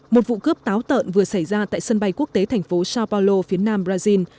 một vụ cướp táo tợn vừa xảy ra tại sân bay quốc tế thành phố sao paulo phía nam brazil